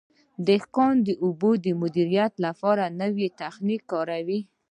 دهقان د اوبو د مدیریت لپاره نوی تخنیک کاروي.